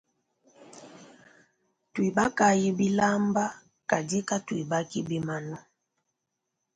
Tuibakayi bilaamba kadi katuibaki bimanu.